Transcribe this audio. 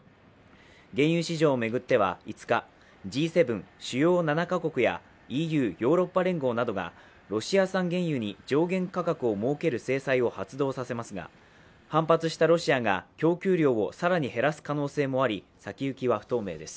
原油市場を巡っては５日、Ｇ７＝主要７か国やＥＵ＝ヨーロッパ連合などがロシア産原油に上限価格をもうける制裁を発動させますが、反発したロシアが供給量を更に減らす可能性もあり先行きは不透明です。